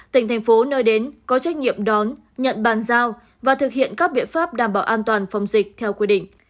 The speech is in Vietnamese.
tỉnh thành phố nơi đến có trách nhiệm đón nhận bàn giao và thực hiện các biện pháp đảm bảo an toàn phòng dịch theo quy định